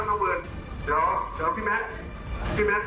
นะครับ